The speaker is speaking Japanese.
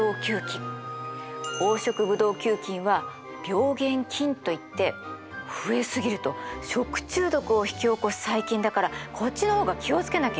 黄色ブドウ球菌は病原菌といって増え過ぎると食中毒を引き起こす細菌だからこっちの方が気を付けなきゃいけないの。